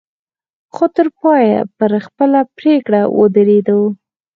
خو تر پايه پر خپله پرېکړه ودرېدو.